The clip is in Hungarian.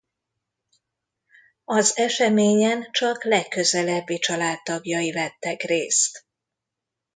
Az eseményen csak legközelebbi családtagjai vettek részt.